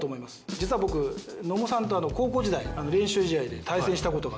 実は僕野茂さんと高校時代練習試合で対戦したことがあって。